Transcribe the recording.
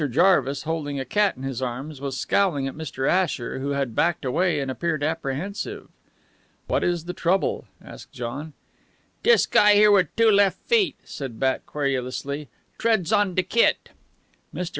Jarvis, holding a cat in his arms, was scowling at Mr. Asher, who had backed away and appeared apprehensive. "What is the trouble?" asked John. "Dis guy here wit' two left feet," said Bat querulously, "treads on de kit." Mr.